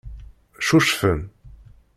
Cucfen.